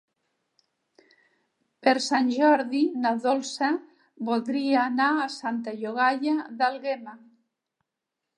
Per Sant Jordi na Dolça voldria anar a Santa Llogaia d'Àlguema.